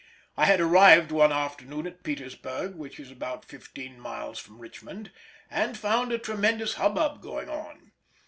I had arrived one afternoon at Petersburg, which is about fifteen miles from Richmond, and found a tremendous hubbub going on.